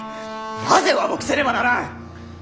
なぜ和睦せねばならん！